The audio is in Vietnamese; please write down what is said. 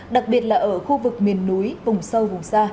đặc biệt là ở khu vực miền núi vùng sâu vùng xa